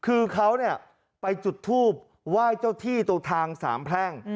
คือเขาเนี่ยไปจุดทูบไหว้เจ้าที่ตรงทางสามแพร่ง